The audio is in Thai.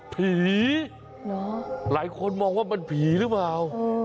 ผีหลายคนมองว่ามันผีหรือเปล่า